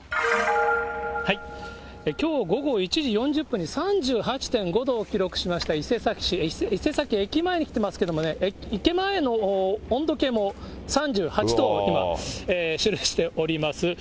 きょう午後１時４０分に３８．５度を記録しました伊勢崎市、伊勢崎駅前に来てますけどもね、駅前の温度計も３８度を今、示しております。